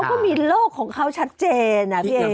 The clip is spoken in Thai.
แล้วเขาก็มีโลกของเขาชัดเจนอ่ะพี่เอง